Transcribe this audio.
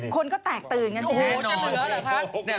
คนก็แตกตื่นสิ